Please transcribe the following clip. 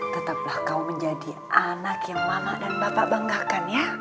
tetaplah kau menjadi anak yang mana dan bapak banggakan ya